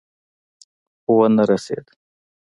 خو ونه رسېد.